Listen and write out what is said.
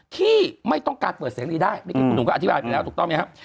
ที่ไม่ต้องการเปิดเสรีได้เมื่อกี้คุณหนุ่มก็อธิบายไปแล้วถูกต้องไหมครับ